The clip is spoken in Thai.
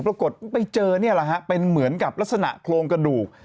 ปรากฏไปเจอเป็นเหมือนกับลักษณะโครงกระดูก